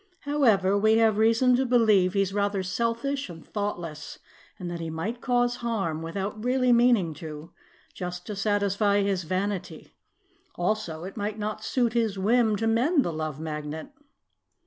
However, we have reason to believe he is rather selfish and thoughtless and that he might cause harm, without really meaning to, just to satisfy his vanity. Also, it might not suit his whim to mend the Love Magnet."